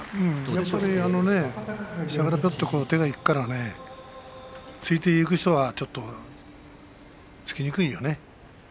やっぱり下から手でいくから突いていく人はちょっと突きにくいよね。